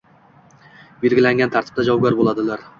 belgilangan tartibda javobgar bo‘ladilar.